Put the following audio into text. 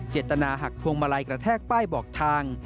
ตักพวงมาลัยกระแทกป้ายบอกทาง